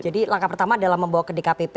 jadi langkah pertama adalah membawa ke dkpp